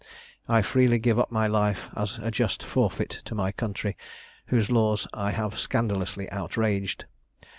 I freely give up my life as a just forfeit to my country, whose laws I have scandalously outraged.